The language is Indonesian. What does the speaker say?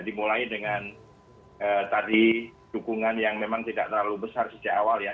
dimulai dengan tadi dukungan yang memang tidak terlalu besar sejak awal ya